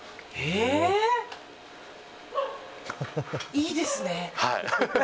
いいですね。